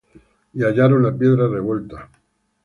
Y hallaron la piedra revuelta del sepulcro.